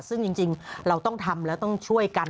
ซึ่งจริงเราต้องทำแล้วต้องช่วยกัน